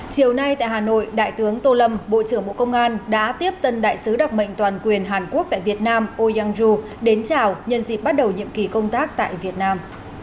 chiều nay tại hà nội đại tướng tô lâm bộ trưởng bộ công an đã tiếp tân đại sứ đặc mệnh toàn quyền hàn quốc tại việt nam oyanju đến chào nhân dịp bắt đầu nhiệm kỳ công tác tại việt nam